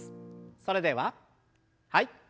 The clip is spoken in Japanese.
それでははい。